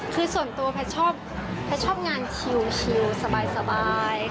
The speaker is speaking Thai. คือส่วนตัวปั๊ดชอบงานคิวสบาย